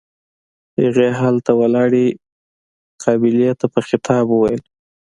هغې هلته ولاړې قابلې ته په خطاب وويل.